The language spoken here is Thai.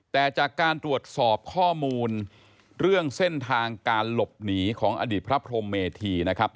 แต่จากการตรวจสอบข้อมูลเรื่องเส้นทางการหลบหนีของอดีตพระพรมเมธีนะครับ